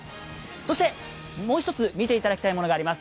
そしてもう一つ見ていただきたいものがあります。